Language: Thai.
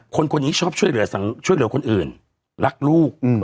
คนนี้ชอบช่วยเหลือสังช่วยเหลือคนอื่นรักลูกอืม